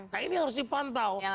nah ini harus dipantau